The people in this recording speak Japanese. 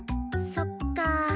そっかー。